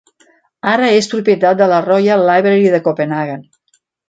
Ara és propietat de la Royal Library de Copenhagen.